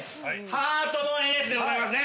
◆ハートのエースでございますね。